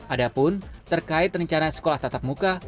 adapun terkait rencana sekolah tatap muka